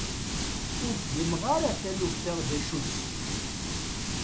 Ur fhimeɣ ara taluft-a d acu-tt.